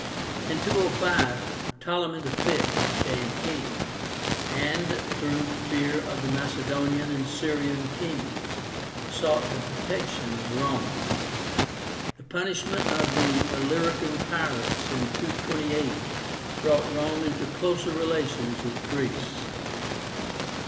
In 205, Ptolemy V. became king, and, through fear of the Macedonian and Syrian kings, sought the protection of Rome. The punishment of the Illyrican pirates in 228 brought Rome into closer relations with Greece.